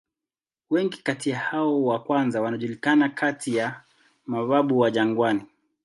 Wengi kati ya hao wa kwanza wanajulikana kati ya "mababu wa jangwani".